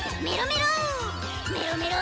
メロメロ！